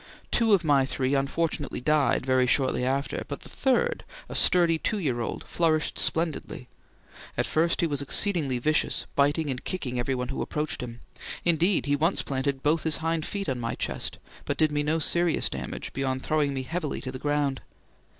Two of my three unfortunately died very shortly after; but the third, a sturdy two year old, flourished splendidly. At first he was exceedingly vicious, biting and kicking everyone who approached him; indeed, he once planted both his hind feet on my chest, but did me no serious damage beyond throwing me heavily to the ground.